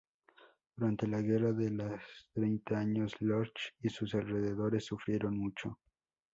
Durante la Guerra de los Treinta Años Lorsch y sus alrededores sufrieron mucho.